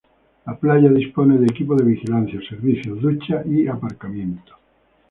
La playa dispone de equipo de vigilancia, servicios, duchas y aparcamiento.